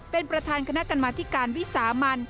เป็นประธานคณะกรรมธิการวิสามัน